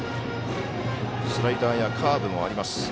スライダーやカーブもあります。